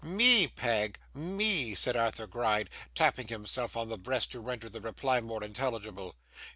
'Me, Peg, me,' said Arthur Gride, tapping himself on the breast to render the reply more intelligible.